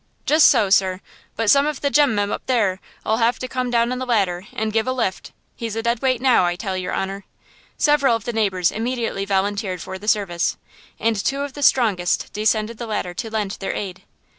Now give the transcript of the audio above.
"Just so, sir! but some of the gem men up there'll have to come down on the ladder and give a lift. He's a dead weight now, I tell your honor!" Several of the neighbors immediately volunteered for the service, and two of the strongest descended the ladder to lend their aid.